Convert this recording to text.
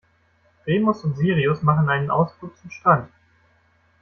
Remus und Sirius machen einen Ausflug zum Strand.